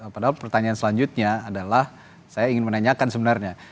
padahal pertanyaan selanjutnya adalah saya ingin menanyakan sebenarnya